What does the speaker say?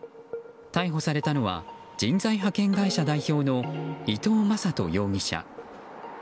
逮捕されたのは人材派遣会社代表の伊藤正人容疑者。